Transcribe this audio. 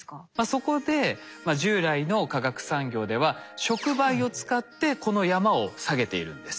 そこで従来の化学産業では触媒を使ってこの山を下げているんです。